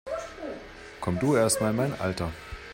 Komm du erstmal in mein Alter!